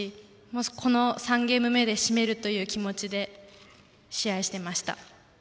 この３ゲーム目で締めるという気持ちで試合していました。